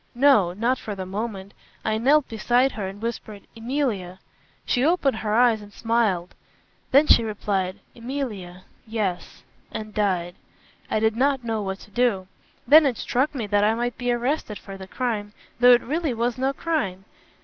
"No! not for the moment. I knelt beside her and whispered 'Emilia!' She opened her eyes and smiled. Then she replied, 'Emilia yes!' and died. I did not know what to do. Then it struck me that I might be arrested for the crime, though it really was no crime.